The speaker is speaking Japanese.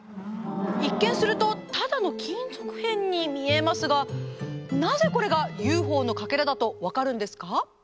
一見するとただの金属片に見えますがなぜこれがＵＦＯのかけらだと分かるんですか？